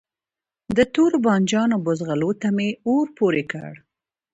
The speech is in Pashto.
د توربانجانو بوزغلو ته می اور پوری کړ